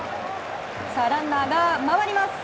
ランナーが回ります。